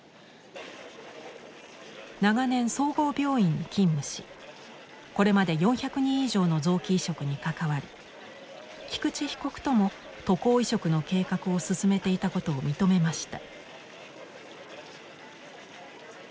長年総合病院に勤務しこれまで４００人以上の臓器移植に関わり菊池被告とも渡航移植の計画を進めていたことを認めました。